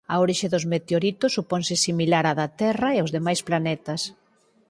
A orixe dos meteoritos suponse similar á da Terra e os demais planetas.